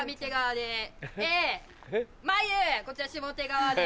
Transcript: でマユこちら下手側で。